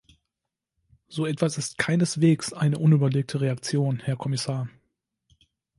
So etwas ist keineswegs eine unüberlegte Reaktion, Herr Kommissar!